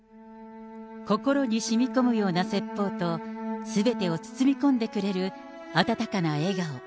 心にしみこむような説法と、すべてを包み込んでくれる温かな笑顔。